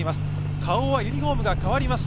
Ｋａｏはユニフォームが変わりました